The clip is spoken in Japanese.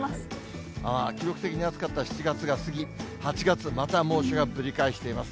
記録的に暑かった７月が過ぎ、８月、また猛暑が繰り返しています。